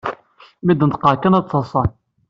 Mi d-neṭqeɣ kan ad ttaḍsan.